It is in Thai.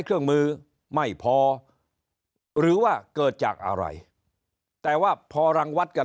เครื่องมือไม่พอหรือว่าเกิดจากอะไรแต่ว่าพอรังวัดกัน